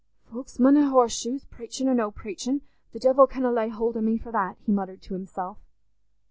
"Folks mun ha' hoss shoes, praichin' or no praichin': the divil canna lay hould o' me for that," he muttered to himself.